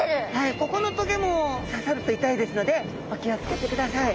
ここの棘もささると痛いですのでお気を付けてください。